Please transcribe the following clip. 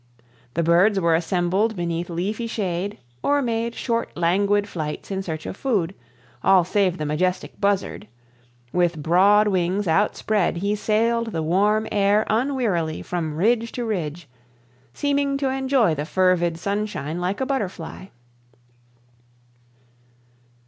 The birds were assembled beneath leafy shade, or made short, languid flights in search of food, all save the majestic buzzard; with broad wings outspread he sailed the warm air unwearily from ridge to ridge, seeming to enjoy the fervid sunshine like a butterfly.